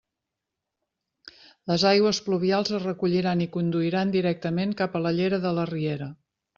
Les aigües pluvials es recolliran i conduiran directament cap a la llera de la riera.